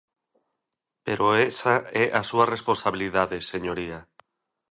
Pero esa é a súa responsabilidade, señoría.